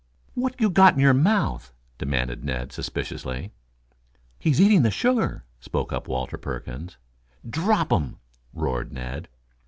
"What you got in your mouth?" demanded Ned suspiciously. "He's eating the sugar," spoke up Walter Perkins. "Drop 'em!" roared Ned.